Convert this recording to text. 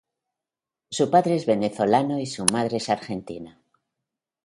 Su padre es venezolano y su madre es argentina.